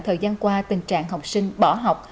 thời gian qua tình trạng học sinh bỏ học